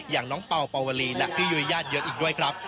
อย่างน้องเป่าเป่าวลีและพี่ยุ้ยญาติเยอะอีกด้วยครับ